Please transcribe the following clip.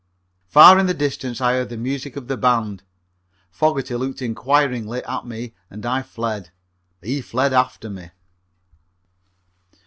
Far in the distance I heard the music of the band. Fogerty looked inquiringly at me and I fled. He fled after me.